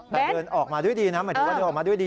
แต่เดินออกมาด้วยดีนะหมายถึงว่าเดินออกมาด้วยดี